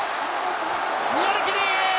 寄り切り。